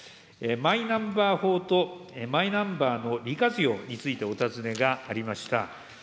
マイナンバー法とマイナンバーの利活用について、お尋ねがありました。